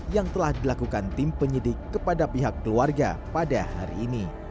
yang telah dilakukan tim penyidik kepada pihak keluarga pada hari ini